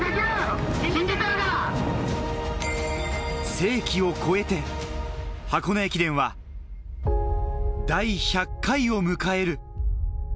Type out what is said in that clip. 世紀を超えて、箱根駅伝は第１００回を迎える。